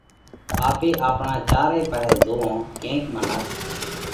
آپي آپڻئہ چاري پاهي زوئون۔ ڪينڪ منک